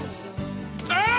あ！